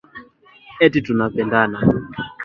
eti tunapendana